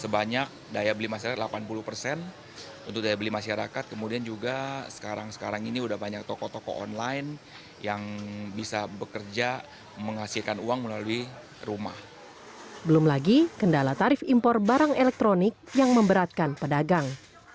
belum lagi kendala tarif impor barang elektronik yang memberatkan pedagang